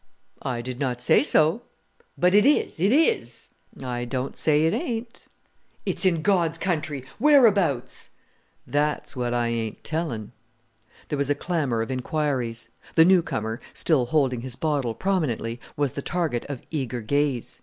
"I did not say so." "But it is, it is!" "I don't say it ain't." "It's in God's country whereabouts?" "That's what I ain't tellin'." There was a clamour of inquiries. The new comer, still holding his bottle prominently, was the target of eager gaze.